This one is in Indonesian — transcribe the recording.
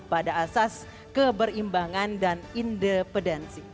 pada asas keberimbangan dan independensi